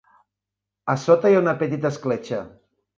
A sota hi ha una petita escletxa.